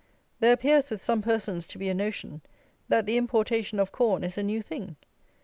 There appears with some persons to be a notion, that the importation of corn is a new thing.